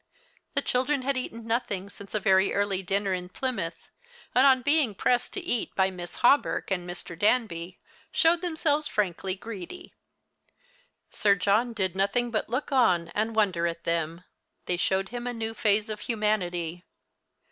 The children had eaten nothing since a very early dinner in Plymouth, and on being pressed to eat by Miss Hawberk and Mr. Danby, showed themselves frankly greedy. Sir John did nothing but look on and wonder at them. They showed him a new phase of humanity.